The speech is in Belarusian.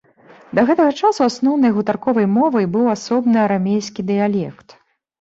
Да гэтага часу асноўнай гутарковай мовай быў асобны арамейскі дыялект.